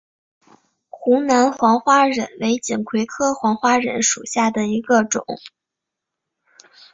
湖南黄花稔为锦葵科黄花稔属下的一个种。